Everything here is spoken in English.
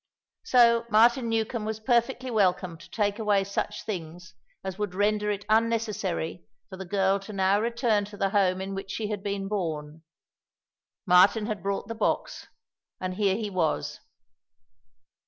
So Martin Newcombe was perfectly welcome to take away such things as would render it unnecessary for the girl to now return to the home in which she had been born. Martin had brought the box, and here he was.